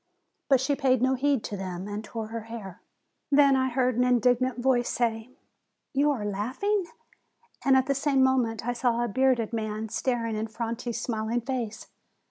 But she paid no heed to them, and tore her hair. Then I heard an indignant voice say, "You are laugh ing !" and at the same moment I saw a bearded man staring in Franti's smiling face.